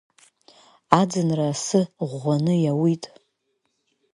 Аӡынра асы ӷәӷәаны иауит.